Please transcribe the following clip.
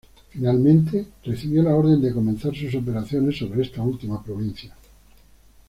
Finalmente recibió la orden de comenzar sus operaciones sobre esta última provincia.